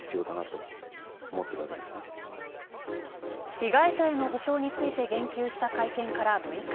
被害者への補償について言及した会見から６日。